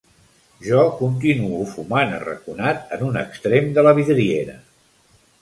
Jo continuo fumant arraconat en un extrem de la vidriera.